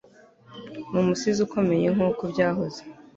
Ni umusizi ukomeye nkuko byahoze.